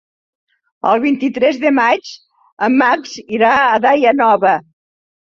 El vint-i-tres de maig en Max irà a Daia Nova.